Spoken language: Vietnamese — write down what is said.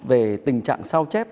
về tình trạng sao chép